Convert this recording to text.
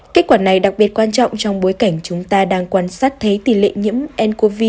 kết quả này đặc biệt quan trọng trong bối cảnh chúng ta đang quan sát thấy tỷ lệ nhiễm ncov